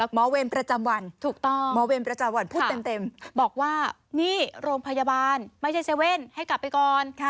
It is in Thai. หมอเวรประจำวันพูดเต็มบอกว่านี่โรงพยาบาลไม่ใช่เซเว่นให้กลับไปก่อน